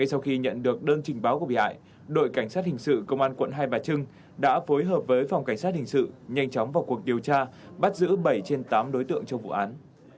sau khi nhận được đơn trình báo của bị hại đội cảnh sát hình sự công an quận hai bà trưng đã phối hợp với phòng cảnh sát hình sự nhanh chóng vào cuộc điều tra bắt giữ bảy trên tám đối tượng trong vụ án